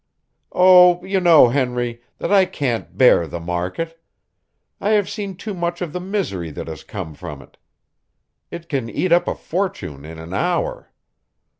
"Oh, you know, Henry, that I can't bear the market. I have seen too much of the misery that has come from it. It can eat up a fortune in an hour.